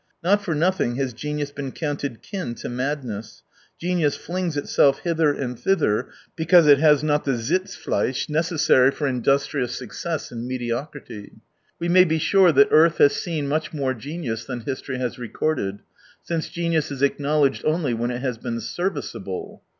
Not for nothing has genius been counted kin to madness. Genius flings itself hither and thither because it has not the Sitzfleisch 144 necessary for industrious success in medio crity. We may be sure that earth has seen much more genius than history has recorded ; since genius is acknowledged only when it has been serviceable.